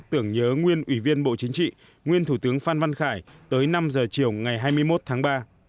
tưởng nhớ nguyên ủy viên bộ chính trị nguyên thủ tướng phan văn khải tới năm giờ chiều ngày hai mươi một tháng ba